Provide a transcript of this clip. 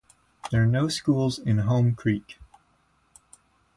There are no schools in Home Creek.